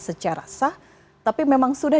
secara sah tapi memang sudah